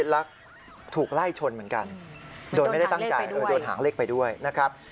และถูกไล่ชนเหมือนกันโดนหางเล็กไปด้วยนะครับ